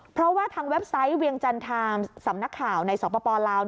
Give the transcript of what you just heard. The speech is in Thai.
เพราะว่าทางเว็บไซต์เวียงจันทามสำนักข่าวในสปลาว